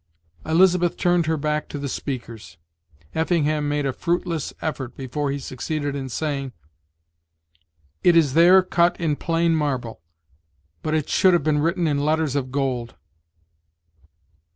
Elizabeth turned her back to the speakers. Effingham made a fruitless effort before he succeeded in saying: "It is there cut in plain marble; but it should have been written in letters of gold!"